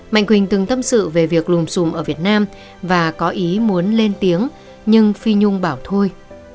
mạnh quỳnh từng tâm sự về việc lùm xùm ở việt nam và có ý muốn lên tiếng nhưng phi nhung bảo thôi